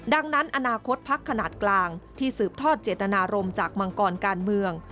ดังนั้นอนาคตพักขนาดกลางที่สืบทอดเจตนารมณ์จากมังกรการเมือง